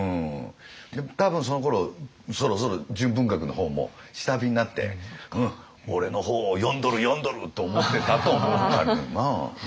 多分そのころそろそろ純文学の方も下火になって「俺の本を読んどる読んどる！」と思ってたと思うんだけどな。